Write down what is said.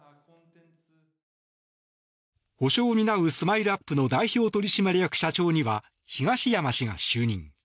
補償を担うＳＭＩＬＥ−ＵＰ．の代表取締役社長には東山氏が就任。